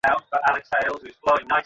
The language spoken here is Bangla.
আপনারা এ কাজে সহায় হোন।